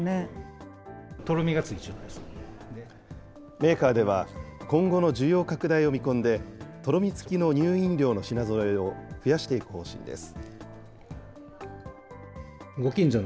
メーカーでは、今後の需要拡大を見込んで、とろみつきの乳飲料の品ぞろえを増やしていく方針です。